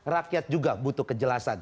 rakyat juga butuh kejelasan